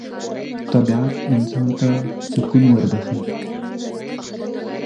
طبیعت انسان ته سکون وربخښي